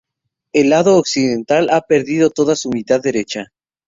El lado occidental ha perdido toda su mitad derecha.